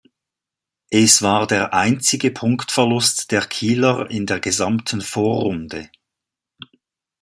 Es war der einzige Punktverlust der Kieler in der gesamten Vorrunde.